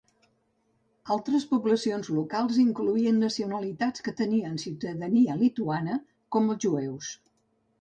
Altres poblacions locals incloïen nacionalitats que tenien ciutadania lituana, com els jueus.